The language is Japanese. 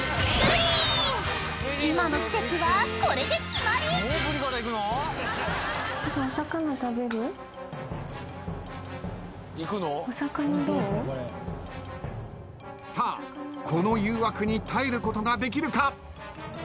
「今の季節はこれで決まり」さあこの誘惑に耐えることができるか？